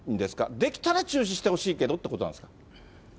できたら中止してほしいけどってことなんですか？